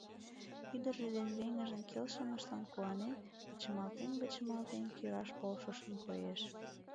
Ӱдыржӧ ден веҥыжын келшымыштлан куанен, вычымалтен-вычымалтен кӱраш полшышын коеш...